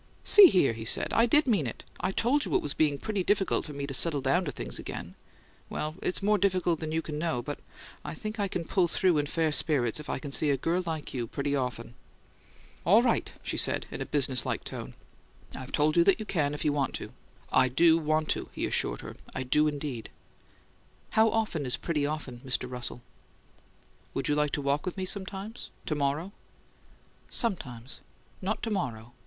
"See here," he said. "I did mean it. I told you it was being pretty difficult for me to settle down to things again. Well, it's more difficult than you know, but I think I can pull through in fair spirits if I can see a girl like you 'pretty often.'" "All right," she said, in a business like tone. "I've told you that you can if you want to." "I do want to," he assured her. "I do, indeed!" "How often is 'pretty often,' Mr. Russell?" "Would you walk with me sometimes? To morrow?" "Sometimes. Not to morrow.